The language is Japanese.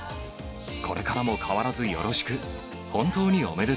これからも変わらずよろしく！